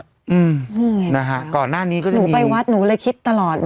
อืมนี่ไงนะฮะก่อนหน้านี้ก็เลยหนูไปวัดหนูเลยคิดตลอด